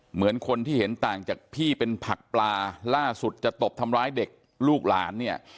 เหมือนคนที่เห็นต่างจากพี่เป็นผักปลาล่าสุดจะตบทำร้ายเด็กลูกหลานเนี่ย